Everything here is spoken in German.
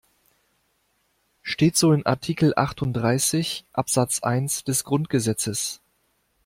Steht so in Artikel achtunddreißig, Absatz eins des Grundgesetzes.